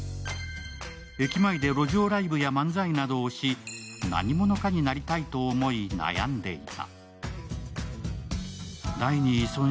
駅前で路上ライブや漫才などをし、何者かになりたいと思い、悩んでいた。